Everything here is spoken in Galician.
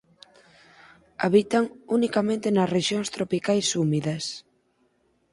Habitan unicamente nas rexións tropicais húmidas.